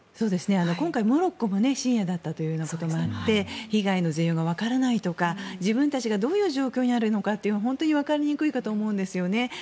今回、モロッコも深夜だったということもあって被害の全容がわからないとか自分たちがどういう状況にあるのかが本当にわかりにくいかと思うんですよね。